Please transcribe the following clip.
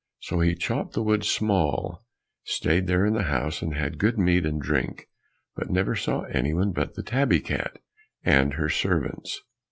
So he chopped the wood small; stayed there in the house and had good meat and drink, but never saw anyone but the tabby cat and her servants.